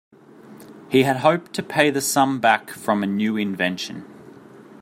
He had hoped to pay the sum back from a new invention.